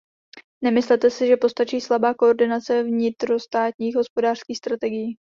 Nemyslete si, že postačí slabá koordinace vnitrostátních hospodářských strategií.